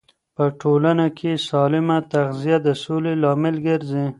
په ټولنه کې سالمه تغذیه د سولې لامل ګرځي.